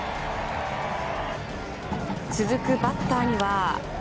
続くバッターには。